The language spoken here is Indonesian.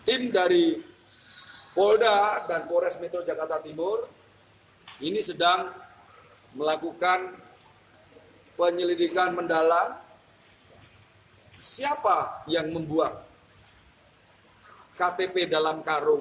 tim dari polda dan polres metro jakarta timur ini sedang melakukan penyelidikan mendalam siapa yang membuang ktp dalam karung